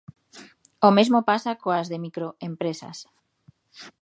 O mesmo pasa coas de microempresas.